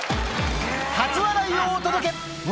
初笑いをお届け！笑